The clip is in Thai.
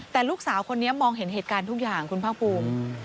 แต่ลูกสาวคนนี้มองเห็นเหตุการณ์ทุกอย่างคุณภาคภูมิ